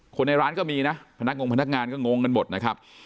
ในร้านก็มีนะพนักงงพนักงานก็งงกันหมดนะครับ